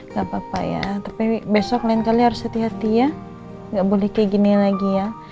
gak apa apa ya tapi besok lain kali harus hati hati ya nggak boleh kayak gini lagi ya